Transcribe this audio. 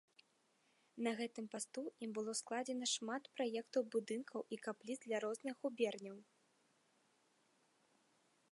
На гэтым пасту ім было складзена шмат праектаў будынкаў і капліц для розных губерняў.